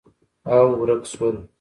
او، ورک شول